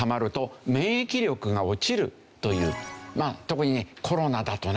特にねコロナだとね